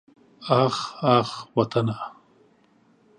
اخ اخ وطنه.